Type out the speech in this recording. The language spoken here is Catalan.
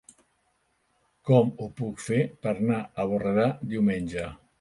Com ho puc fer per anar a Borredà diumenge?